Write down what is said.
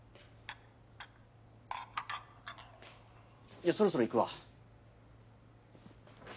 じゃそろそろ行くわ。